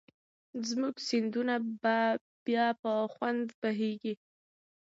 زموږ سیندونه به بیا په خوند بهېږي.